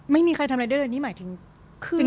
ไม่มีใครทำอะไรได้เลยนี่หมายถึงคืน